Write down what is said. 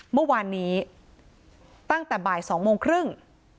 เมื่อวานนี้ตั้งแต่บ่าย๒โมงครึ่ง